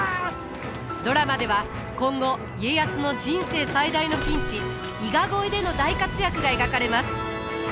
ドラマでは今後家康の人生最大のピンチ伊賀越えでの大活躍が描かれます。